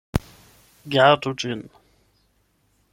Gardu ĝin.